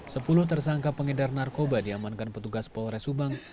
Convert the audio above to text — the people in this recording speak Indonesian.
sepuluh tersangka pengedar narkoba diamankan petugas polres subang